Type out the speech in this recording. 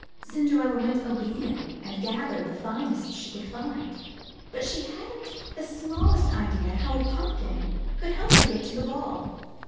Cinderella went obediently and gathered the finest she could find, though she hadn't the smallest idea how a pumpkin could help her get to the ball.